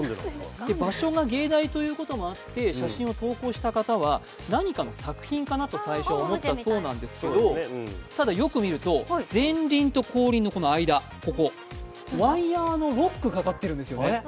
場所が芸大ということもあって写真を投稿した方は何かの作品かなと最初思ったそうなんですけど、ただよく見ると、前輪と後輪の間、ワイヤーのロックがかかっているんですよね。